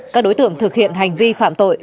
các đối tượng thực hiện hành vi phạm tội